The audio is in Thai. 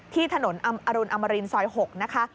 ที่ถนนอรุณอมรินซอย๖นะคะ